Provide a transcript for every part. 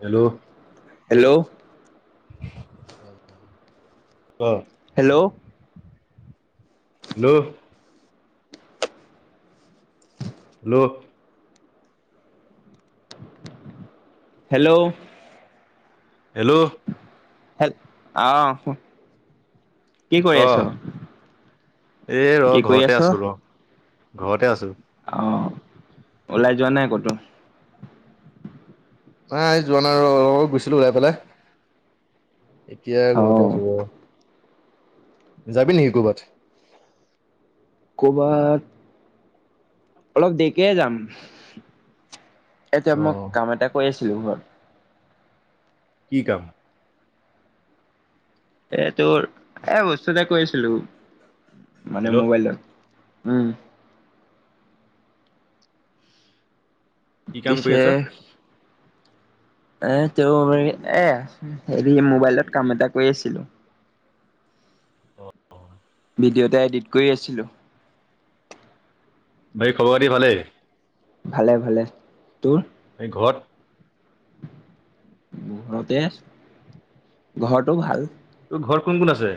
Hello. Hello. ক। Hello. Hello. Hello. Hello. Hello. Hello আহ। কি কৰি ক আছ এ ৰ কি কৰি আছ ঘৰতে আছো ৰ ঘৰতে আছো [unintelligible] অ, ওলাই যোৱা নাই কতো? নাই যোৱা নাই অলপ গৈছিলো ওলাই পেলাই। এতিয়া অ ঘৰতে আছো বাৰু। যাবি নেকি কৰ'বাত। ক'ৰবাত অলপ দেৰিকে যাম। এতিয়া অ মই কাম এটা কৰি আছিলোঁ ঘৰত। কি কাম? এ তোৰ এ বস্তুএটা কৰি আছিলোঁ মানে হেল্ল' মোবাইলত। উম। কি কাম কৰি পিছে আছ। এ, তেওঁ এ হেৰি মোবাইলত কাম এটা কৰি আছিলোঁ। ভিডিঅ' এটা এডিট কৰি আছিলোঁ। বাকি খবৰ খাতি ভালেই? ভালে ভালে তোৰ? এই ঘৰত। ঘৰতে ঘৰটো ভাল। তোৰ ঘৰত কোন কোন আছে?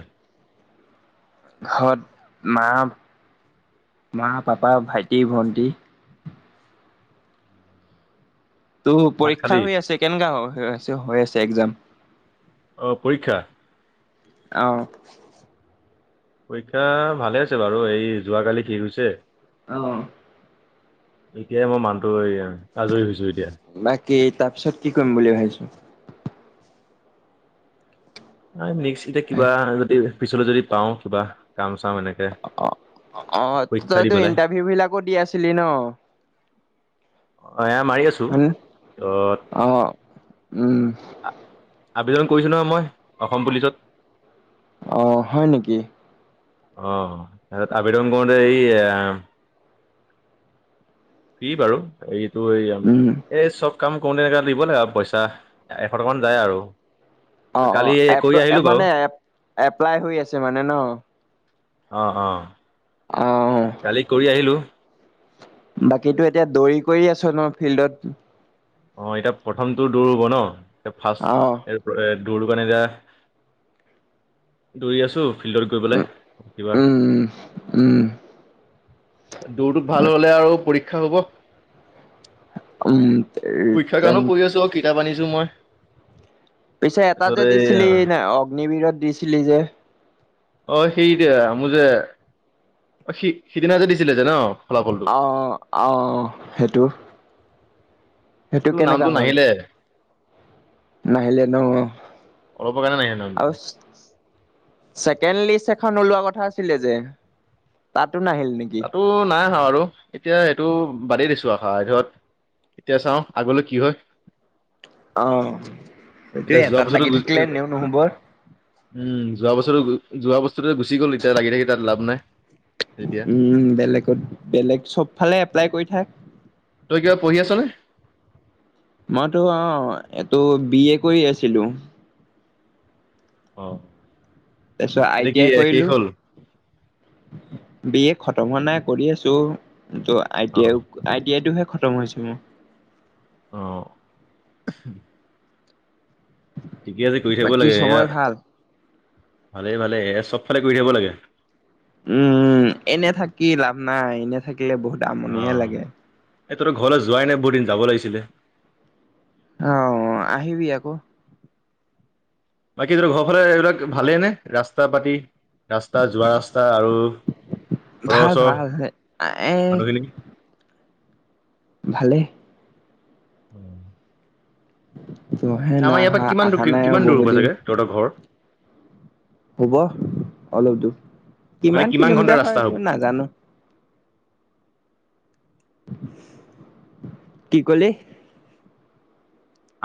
ঘৰত মা মা -পাপা, ভাইটি- ভন্টি তোৰ ভাত পৰীক্ষা খালি হৈ আছে কেনেকা হৈ আ হৈ আছে একজাম। অহ পৰীক্ষা। অহ। পৰীক্ষা ভালে আছে বাৰু এই যোৱাকালি শেষ হৈছে। অহ। এতিয়া মই মানটো। বাকী তাৰপিছত কি কৰিম বুলি ভাবিছ? নাই এতিয়া কিবা যদি পিছলৈ যদি পাওঁ কিবা কাম চাম এনেক। অ অ, তইতো পেলাই ইণ্টাৰভিউ বিলাকো দি আছিলি ন? অঁ, এয়া মাৰি আছোঁ হয়নে? ত। অ', উম, আবেদন কৰিছো নহয় মই অসম পুলিচত। আহ হয় নেকি? অ, আবেদন কৰোতে এই। ফ্ৰী বাৰু এইটো এই উম, এই চব। কাম কৰো তেনেকে দিব লাগে আৰু পইচা এশ টকা মান যায় আৰু। অ অ, কালি কৰি এপটো আহিলো এপ বাৰু মানে এপ্লাই হৈ আছে মানে ন। অ অ অ', কালি কৰি আহিলোঁ। বাকীতো এতিয়া দৌৰি কৰি আছো ন ফিল্ডত। অ, এতিয়া প্ৰথমটো দৌৰ হব ন এইটো অ', ফাৰ্ষ্ট। দৌৰ কাৰণে এতিয়া দৌৰি আছো। ফিল্ডত গৈ পেলাই উম, ৰাতিপুৱা উম, দৌৰটো ভাল হলে আৰু পৰীক্ষা হব। উম, পৰীক্ষাৰ উম, কাৰণো পঢ়ি আছোঁ অ কিতাপ আনিছোঁ মই। পিছে এটা তাৰপিছত যে এই দিছিলি ন অগ্নিবিৰত দিছিলি যে। অ সেইতো মোৰ যে, অ সি সিদিনা যে দিছিলে যে ন। ফলাফলটো অহ অহ সেইটো। সেইটো এইটো কেনেকা নামটো হ'ল নাহিলে। নাহিলে নহ অলপৰ কাৰণে নাহিলে নামটো আৰু ছেকেণ্ড লিষ্ট এখন ওলোৱা কথা আছিলে যে, তাতো নাহিল নেকি? চাও আৰু এতিয়া সেইটো বাদেই দিছো আশা এতিয়া চাও আগলৈ কি হয়? অ। এতিয়া সেইটোয়ে যোৱা এটাত বস্তুটো, লাগি থাকিলে এনেও নহ'ব উম যোৱা বস্তু যোৱা বস্তুটো গুচি গ'ল এতিয়া লাগি থাকি তাত লাভ নাই। যেতিয়া উম, বেলেগত বেলেগ চব ফালে এপ্লাই কৰি থাক। তই কিবা পঢ়ি আছ নে? মইতো অ এইটো বি এ কৰি আছিলো। অ। তাৰ পিছত আই এতিয়া টি কি আই শেষ কৰিলো। হ'ল বি এ খটম হোৱা নাই কৰি আছো, ত I uh T I I T আইটোহে খতম হৈছে মোৰ। আহ। ঠিকে আছে কৰি থাকিব বাকী লাগে এয়া চবৰে ভাল ভালেই ভালে এয়া চব ফালে কৰি থাকিব লাগে। উম, এনে থাকি লাভ নাই এনে থাকিলে বহুত অ আমনিহে লাগে। এই তঁহতৰ ঘৰলৈ যোৱাই নাই বহুত দিন যাব লাগিছিলে। অ আহিবি আকৌ। বাকী ধৰ ঘৰ ফালে এইবিলাক ভালেই নে ৰাস্তা পাতি? ৰাস্তা যোৱা ৰাস্তা আৰু ঘৰৰ ওচৰ এই ভালে। উম। তইহে নাই আমাৰ ইয়াৰ অহা, পৰা কিমান অহা দূৰ নাই আৰু কিমান দূৰ বহুত হ'ব দিন। চাগে তহতৰ ঘৰ? হ'ব অলপ দূৰ, মানে কিমান ঘণ্টা কিলোমিটাৰ হয় ৰাস্তা হ'ব এইটো নাজানো? কি কলে?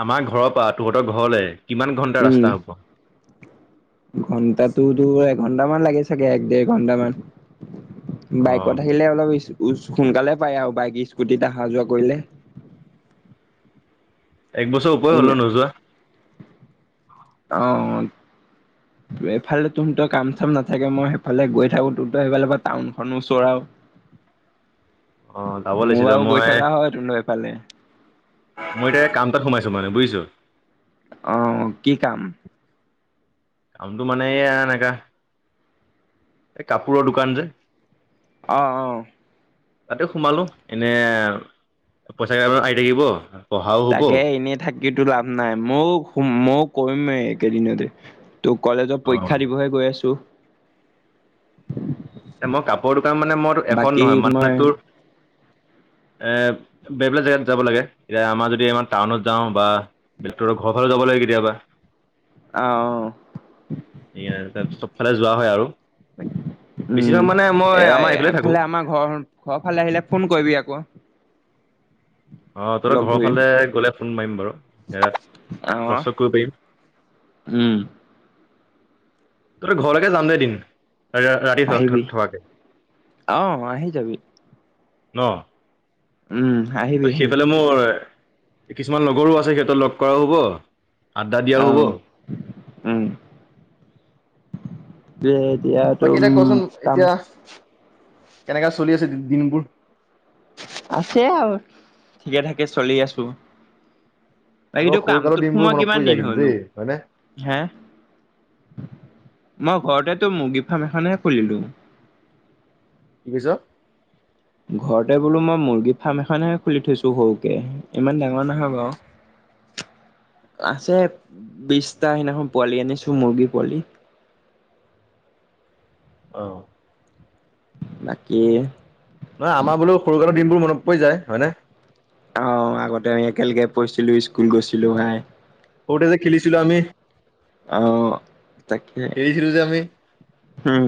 আমাৰ ঘৰৰ পৰা তহঁতৰ ঘৰলৈ উম, ঘন্টাটোতো ঘণ্টামান লাগে চাগে এক- দেৰ ঘণ্টামান অ বাইকত আহিলে অলপ হৈছো বুজ, সোনকালে পায় আৰু বাইক -স্কুটিত অহা যোৱা কৰিলে। এক বছৰ ওপৰি হ'ল নোযোৱা। আহ। এইফালে তোৰতো কাম চাম নাথাকে মই সেইফালে গৈ থাকো তোৰতো সেইফালে টাউনখনো চৰাও অ যাব মোৰ লাগিছিলে বাৰু গৈ মই থকা হয় যোনটো এফালে। মই এতিয়া কাম তাত সোমাইছো মানে বুজিছ। অহ কি কাম? কামটো মানে এনেকা এই কাপোৰৰ দোকান যে আহ আহ। তাতে সোমালো, এনে পইচা ক আহি থাকিব। পঢ়াও হ'ব তাকে অ এনেই থাকিটো লাভ নাই ময় ময় কৰিমে একেদিনতে ত' কলেজত পৰীক্ষা দিবহে গৈ আছো। মই কাপোৰৰ দোকান মানে মোৰ এখন বাকী নহয় মই মানে তোৰ [inaudible] এ বেগ বেলেগ জেগাত যাব লাগে, এতিয়া আমাৰ যদি আমাৰ টাউনত যাওঁ বা বে্টৰৰ ঘৰৰ ফালে যওঁ কব ল কেতিয়াবা অ' অ' [unintelligible] চবফালে যোৱা হয় আৰু। বেছিভাগ মানে উম মই এইব আমাৰ এইফালে থাকো এফালে আমাৰ ঘৰ ঘৰৰ ফালে আহিলে ফোন কৰিবি আকৌ। অ তহত লগ ঘৰৰ ধৰিম ফালে গলে ফোন মাৰিম বাৰু হেৰাত লগ অ'। সগ কৰিব পাৰিম [unintelligible] উম। ত ঘৰলৈকে যাম দে এদিন। ৰাতি থ থ আহিবি থকাকে ন? অ' আহি যাবি উম আহিবি আহিবি সেইফালে মোৰ কিছুমান লগৰো আছে সিহঁতৰ লগ কৰা হ'ব। আড্ডা দিয়াও হ'ব অ'। উম দে দিয় তো বাকী উম এতিয়া কচোন কাম এতিয়া কেনেকা চলি আছে দিনবোৰ? আছে আৰু ঠিকে থাকে চলি আছো। এই আগৰ টো সৰুকালৰ কামটোত দিনবোৰ সোমোৱা মনত পৰি কিমান যায় দিন কিন্তু হ'লনো দেই হয়নে হা? মই ঘৰতেটো মুৰ্গী ফাৰ্ম এখননেহে খুলিলো। [unintelligible] কি কৈছ? ঘৰতে বোলো মই মুৰ্গী ফাৰ্ম এখনহে খুলি থৈছো সৰুকে ইমান ডাঙৰ নহয় বাঅঁ। [inaudible] আছে বিশটা সিদিনাখন পোৱালি আনিছো মুৰ্গী পোৱালি। [inaudible] আহঁ। বাকী নহয় আমাৰ বোলো সৰুকালৰ দিনবোৰ মনত পৰি যায়। হয় নে? আহ আগতে একেলগে পঢ়িছিলো স্কুল গৈছিলো হয়। সৰুতে যে খেলিছিলো আমি আহ তাকে খেলিছিলো যে আমি। উম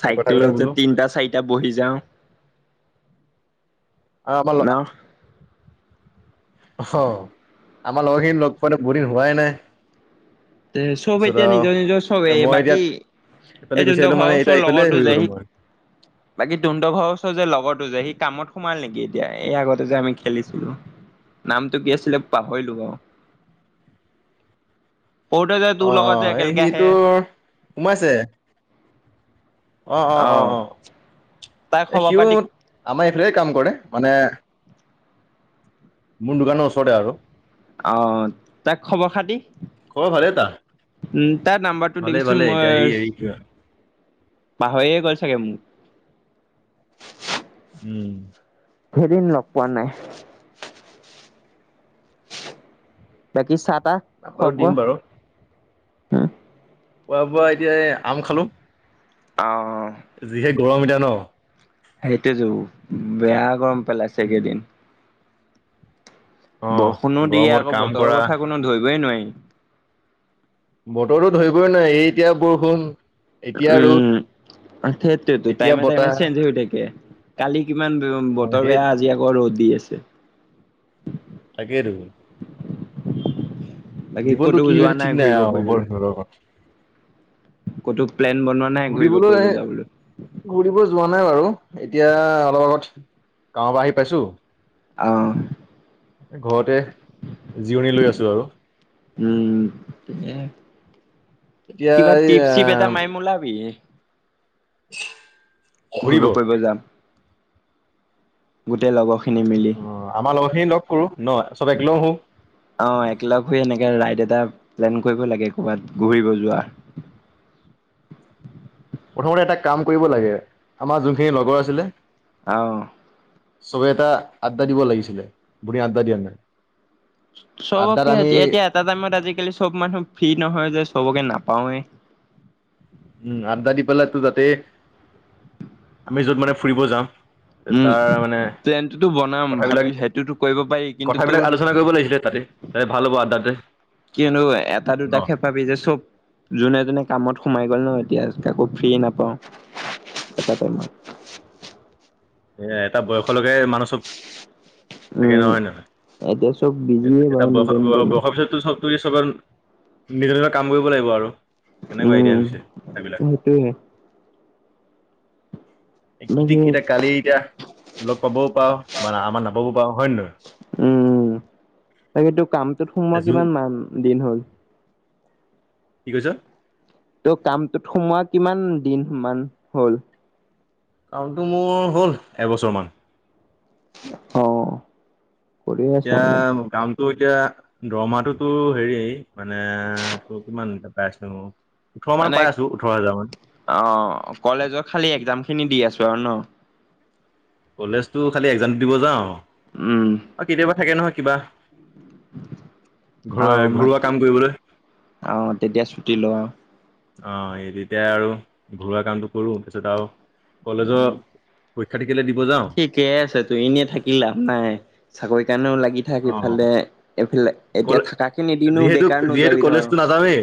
সেই কথাবিলাক যে বোলো তিনটা চাৰিটা বহি যাও। আ মাল ন অ আমাৰ লগৰখিনি লগ পোৱা বহু দিন হোৱাই নাই। এ চব এতিয়া তাৰপিছত আৰু নিজৰ নিজৰ এ চবেই মই বাকী এতিয়া এইফালে এই গুচি তোনটোৰ আহিলো মানে ঘৰৰ এতিয়া ওচৰ এইফালে লগৰো হৈ যে গলো সি মই বাকী তুনড ঘৰৰ ওচৰত যে লগৰ যে সি কামত সোমাল নেকি এতিয়া এই আগতে যে আমি খেলিছিলো? নামটো কি আছিলে পাহৰিলো বাও। অ অ এই সিটো সোমাইছে। অ অ অ আহ অ তাই এই খবৰ সিও পাতি আমাৰ এইফালে কাম কৰে। মানে মোৰ দোকানৰ ওচৰতে আৰু। আহ তাক খবৰ খাতি খবৰ ভালেই তাৰ উম তাৰ নাম্বাৰটো ভালেই দিবিচোন ভালেই এতিয়া সি মই হেৰি পাহৰিয়ে গ'ল চাগে মোক। উম। কেইদিন লগ পোৱা নাই। বাকি চাত নাম্বাৰ টো দিম বাৰু। হম্। খোৱা বোৱা এতিয়া এ আম খালো। অ। যিহে গৰম এতিয়া ন। সেইটোতো বেয়া গৰম পেলাইছে এইকেইদিন। অ' বৰষুণো দিয়ে গৰমত আকৌ কাম বতৰৰ কৰা। কথা কোনো ধৰিবই নোৱাৰি। বতৰতো ধৰিবই নোৱাৰি এই এতিয়া বৰষুণ। এতিয়া ৰ'দ, উম সেইটোৱেটো এতিয়া টাইমে টাইমে বতাহ। চেঞ্জ হৈ থাক কালি। কিমান অ' বতৰ সেই বেয়া আজি আকৌ ৰ'দ দি আছে। তাকে আৰু বাকী জীৱনটো ক'তো কি হৈ যোৱা গৈছে ঠিক নাই ঘূৰিব অ বৰ- কটুক ঘুৰিবলৈ এ ঘুৰিব যোৱা নাই বাৰু। এতিয়া অলপ আগত গাঁৱৰ পৰা আহি পাইছোঁ। আহ ঘৰতে জিৰণি লৈ আছোঁ আৰু উম এতিয়া কিবা এই টিপ আ চিপ এটা মাইম ওলাবি। [inaudible] ঘূৰিব ফুৰিব কৰিব যাম গোটেই লগৰ খি- অ আমাৰ লগত খিনি লগ কৰো ন চব একে লগ হো অ একলগ হৈ এনেকে ৰাইদ এট- এটা প্লেন কৰিব লাগে ক'বাত ঘূৰিব যোৱা- প্ৰথমতে এটা কাম কৰিব লাগে আমাৰ যোনখিনি লগৰ আছিলে। আহ চবে এটা আড্ডা দিব লাগিছিলে বঢ়িয়া আড্ডা দিয়া নাই। আড্ডাত চবকে আমি এতিয়া এটা টাইমত আজিকালি চব মানুহ ফ্ৰী নহয় যে সবকে নাপ- পাওৱে। উম আড্ডা দি পেলাই দি তাতে আমি যত মানে ফুৰিব যাম। উম, তাৰ মানে প্লেনটোতো বনাম ভাবি কথাবিলাক সেইটোতো কৰিব পাৰি কিন্তু তোৰ কথাবিলাক আলোচনা কৰিব লাগিছিলে তাৰ। হে ভাল হ'ব আড্ডাতে কিয়নো এটা ন দুটা খে পাবি যে চব যোনে যোনে কামত সোমাই গল ন এতিয়া কাকো ফ্ৰী নাপাওঁ ত মই। এ এটা বয়সলৈকে মানুহ চব থাকে উম। হয় নহয় এতিয়া চব এ বিজিয়ে বাৰু নিজৰ নিজৰ বয়সৰ লাইফ পাছতো চব তু চবেন নিজৰ নিজৰ কাম কৰিব লাগিব আৰু। তেনেকুৱা উম। এইডিয়া হৈছে সেইবিলাক সেইটোয়ে কি ঠিক বাকী এতিয়া কালি এতিয়া লগ পাবও পাওঁ বা আমাৰ নাপাবও পাওঁ হয় নে নহয়? উম তাকেই তো কামটোত সোমোৱা জুন কিমান মান দিন হ'ল। কি কৈছ? ত কামটোত সোমোৱা কিমান দিন মান হ'ল? কামটো মোৰ হ'ল এবছৰমান। অ কৰি আছ এতিয়া মানে। কামটো এতিয়া দৰমহাটোতো হেৰি মানে ত কিমান এয়া পাইছো। মানে অ কলেজৰ খালি এক্জাম খিনি দি আছো আৰু ন কলেজতো খালি একজাম দিব যাওঁ কেতিয়াবা থাকে নহয় কিবা। ঘৰ আহ ঘৰুৱা মাতি কাম কৰিবলৈ আহ তেতিয়া ছুটি লোৱা আও। অ এই তেতিয়াই আৰু ঘৰুৱা কামটো কৰো তাৰ পিছত আৰু কলেজত ঠিকেই আছে তোৰ এনেই থাকি লাভ নাই চাকৰি কাৰণেও লাগ। গি থাক অ ইফালে এইফালে এতিয়া কলে থাকখিনি এদিনো যিহেতু বেকাৰ যিহেতু নোযোবি ধৰ কলেজতো নাযামেই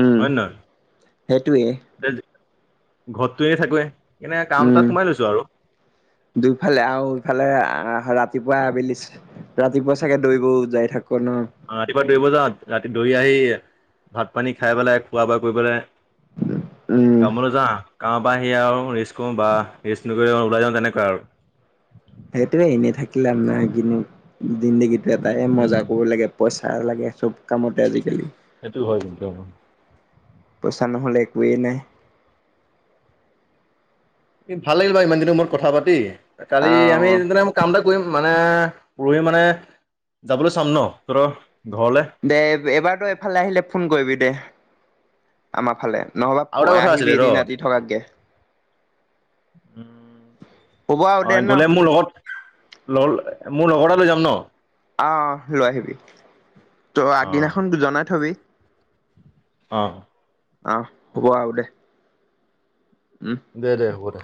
উম হয় সেইটোৱে ঘৰটোয়ে থাকোৱে এনে কাম উম তাত সোমাই লৈছো আৰু দুইফালে আৰু ইফালে আহ ৰাত- ৰাতিপুৱা আবেলি ৰাতিপুৱা চাগে দৌব যাই থাকো। অ ৰাতিপুৱা দৌৰিবজা ৰাতি দৰি আহি ভাত পানী খাই পেলাই খোৱা বোৱা কৰিব পেলাই। উম, [unintelligible] কামলে যা। কাৰ পৰা আহি আৰু ৰিস্ক কৰো বা ৰিস্ নকৰি ওলাই যাওঁ তেনেকুৱা আৰু সেইটোয়ে এনেই থাকিলে আপোনাৰ কিন্তু দিনজাগী এটাই মজা কৰিব লাগে পইচা লাগে চব কামতে আজিকালি- এইটো হয় কিন্ত পইচা নহ'লে একোৱেই নাই ভাল লাগিল ব ইমান দিনৰ মূৰত কথা পাতি কালি আমি অ', তেদিনা কাম এটা কৰিম মানে পৰহি মানে যাবলৈ চাম ন ত দে এবাৰতো এইফালে আহিলে ফোন কৰিবি দে আমাৰ ফালে আৰু এটা নহ'বা আহিবি এদিন ৰাতি থকাকে - উ হ'ব আৰু অ দে ন গলে মোৰ লগত লল মোৰ লগৰ এটা লৈ যাম ন- আহ লৈ আহিবি ত অ আগদিনাখন জনাই থবি- অ আহ হ'ব আও দে- উম দে দে হ'ব দে